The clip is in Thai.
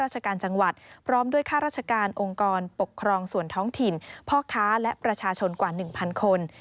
ราชการจังหวัดพร้อมด้วยข้าราชการองค์กรปกครองส่วนท้องถิ่นพ่อค้าและประชาชนกว่า๑๐๐คน